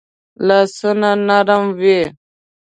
لاسونه نرم وي